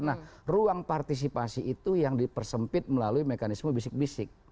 nah ruang partisipasi itu yang dipersempit melalui mekanisme bisik bisik